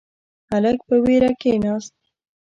هلک په وېره کښیناست.